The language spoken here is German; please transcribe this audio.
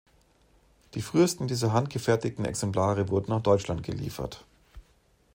Die frühesten dieser handgefertigten Exemplare wurden nach Deutschland geliefert.